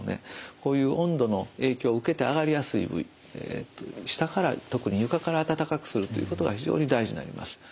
こういう温度の影響を受けて上がりやすい部位下から特に床から暖かくするということが非常に大事になります。